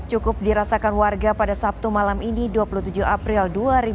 cukup dirasakan warga pada sabtu malam ini dua puluh tujuh april dua ribu dua puluh